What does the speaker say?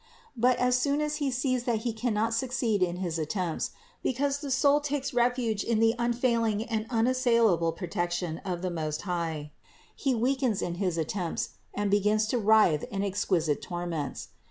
But as soon as he sees that he cannot succeed in his attempts, because the soul takes refuge in the unfail ing and unassailable protection of the Most High, he weakens in his attempts and begins to writhe in exquisite torments.